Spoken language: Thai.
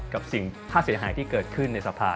กับสิ่งค่าเสียหายที่เกิดขึ้นในสภา